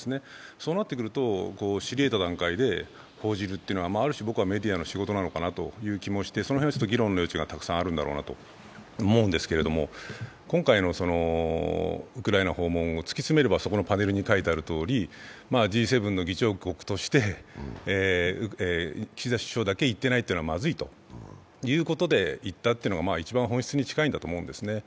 そうなってくると知り得た段階で報じるっていうのはある種、僕はメディアの仕事なのかなという気もしてその辺は議論の余地があるかなと思うんですけれども、今回のウクライナ訪問を突き詰めれば、パネルにあるようにＧ７の議長国として、岸田首相だけ行ってないのはまずいというので行ったっていうのが一番、本質に近いんだと思うんですね